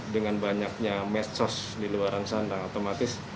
dengan banyaknya mesos di luar rangsang dan otomatis